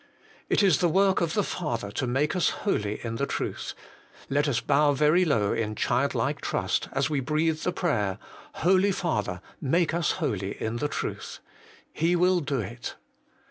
2. It is the work of the Father to make us holy in the truth : let us bow very low in childlike trust as we breathe the prayer : 'Holy Father! make us holy in the truth.' He will do it.